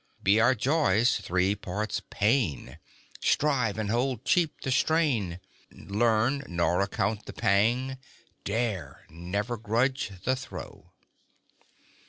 Be our joys three parts pain! Strive, and hold cheap the strain; Learn, nor account the pang; dare, never grudge the throe!